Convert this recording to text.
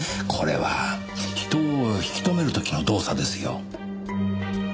これは人を引き留める時の動作ですよ。